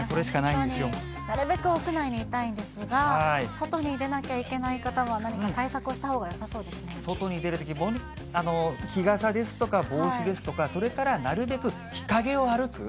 なるべく屋内にいたいんですが、外に出なきゃいけない方は、何か対策をしたほうがよさそうで外に出るとき、日傘ですとか、帽子ですとか、それからなるべく日陰を歩く。